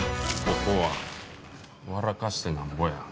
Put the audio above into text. ここは笑かしてなんぼや。